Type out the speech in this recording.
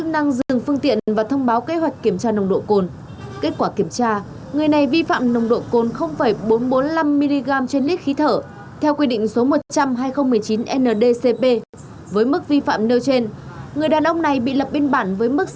lập chốt kiểm tra nồng độ cồn tại khu vực đường xuân thủy cầu giấy